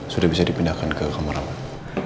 sudah bisa dipindahkan ke kamar aman